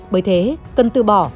bởi thế cần từ bỏ